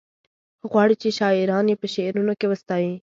غواړي چې شاعران یې په شعرونو کې وستايي.